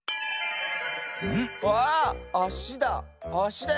わああしだ。